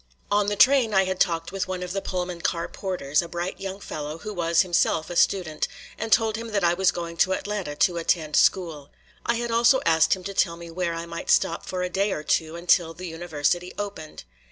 On the train I had talked with one of the Pullman car porters, a bright young fellow who was himself a student, and told him that I was going to Atlanta to attend school. I had also asked him to tell me where I might stop for a day or two until the University opened.